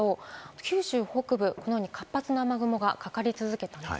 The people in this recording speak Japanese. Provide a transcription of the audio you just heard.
九州北部、このように活発な雨雲がかかり続けています。